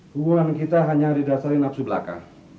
hubungan kita hanya didasari nafsu belaka